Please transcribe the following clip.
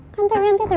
kan terian teteh